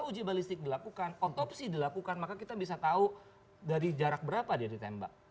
uji balistik dilakukan otopsi dilakukan maka kita bisa tahu dari jarak berapa dia ditembak